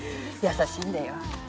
優しいんだよ。